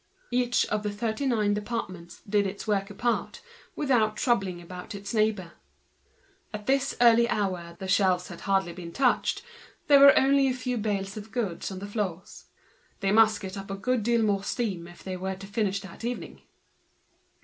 Each of the thirty nine departments did its work apart, without troubling about its neighbor. At this early hour the shelves had hardly been touched, there were only a few bales of goods on the floors; the machine would have to get up more steam if they were to finish that evening.